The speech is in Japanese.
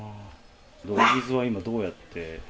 お水はどうやって？